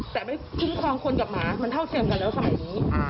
แต่ไม่คุ้มครองคนกับหมามันเท่าเทียมกันแล้วสมัยนี้